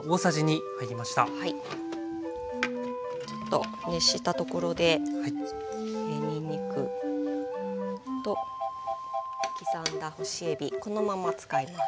ちょっと熱したところでにんにくと刻んだ干しえびこのまま使います。